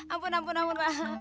ampun ampun ampun pak